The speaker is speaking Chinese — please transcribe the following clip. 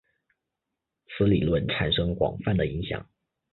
此理论产生广泛的影响。